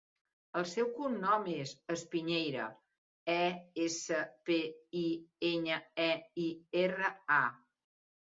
El seu cognom és Espiñeira: e, essa, pe, i, enya, e, i, erra, a.